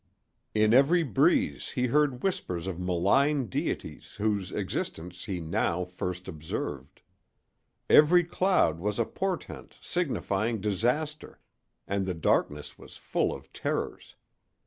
In every breeze he heard whispers of malign deities whose existence he now first observed. Every cloud was a portent signifying disaster, and the darkness was full of terrors.